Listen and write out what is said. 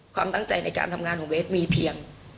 ความตั้งใจในการทำงานของเบสมีเพียง